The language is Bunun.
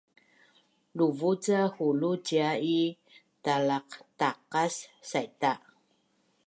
Luvuc ca huluc cia i talaqtaqas saita’